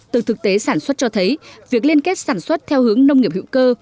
từ thực tế sản xuất cho thấy việc liên kết sản xuất theo hướng nông nghiệp hữu cơ